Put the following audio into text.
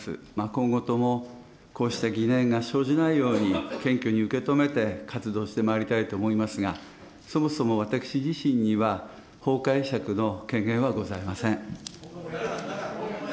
今後とも、こうした疑念が生じないように、謙虚に受け止めて、活動してまいりたいと思いますが、そもそも私自身には、法解釈の権限はございません。